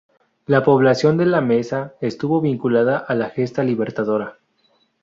La población de La Mesa estuvo vinculada a la gesta libertadora.